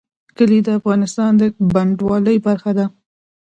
کلي د افغانستان د بڼوالۍ برخه ده.